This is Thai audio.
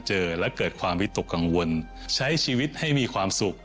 เจอและเกิดความวิตกกังวลใช้ชีวิตให้มีความสุข